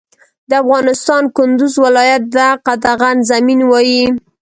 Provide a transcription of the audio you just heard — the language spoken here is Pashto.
د افغانستان کندوز ولایت ته قطغن زمین وایی